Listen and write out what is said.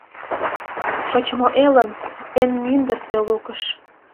Шочмо элын эн мӱндырсӧ лукыш